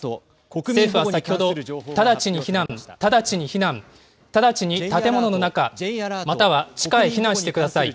政府は先ほど、直ちに避難、直ちに避難、直ちに建物の中、または地下へ避難してください。